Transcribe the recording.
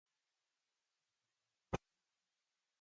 Hvorfor græder du? spurgte han.